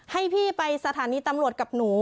ให้พี่ไปสถานีตำรวจกับหนู